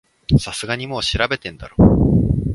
さすがにもう調べてんだろ